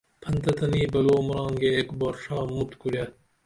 پھنتہ تنی بلو مرانگے ایک باٹ ڜا مُت کُرے